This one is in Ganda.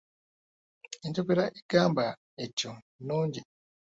Enjogera egamba etyo nnungi.